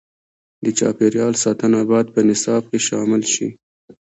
د چاپیریال ساتنه باید په نصاب کې شامل شي.